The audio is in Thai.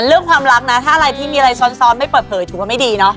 เรื่องความรักนะถ้าอะไรที่มีอะไรซ้อนไม่เปิดเผยถือว่าไม่ดีเนาะ